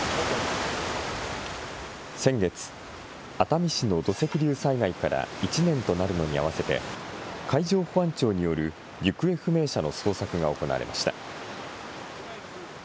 先月、熱海市の土石流災害から１年となるのに合わせて、海上保安庁による行方不明者の捜索が行われました。